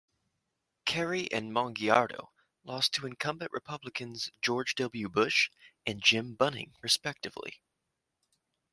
Kerry and Mongiardo lost to incumbent Republicans George W. Bush and Jim Bunning, respectively.